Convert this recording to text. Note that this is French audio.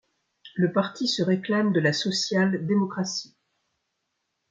Le parti se réclame de la sociale-démocratie.